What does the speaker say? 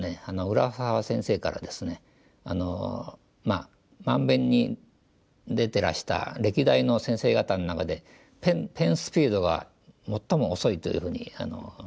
浦沢先生からですね「漫勉」に出てらした歴代の先生方の中でペンスピードが最も遅いというふうに言われましてですね。